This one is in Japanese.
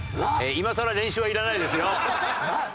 今更練習はいらないですよ。